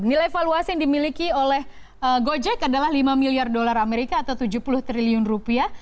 nilai valuasi yang dimiliki oleh gojek adalah lima miliar dolar amerika atau tujuh puluh triliun rupiah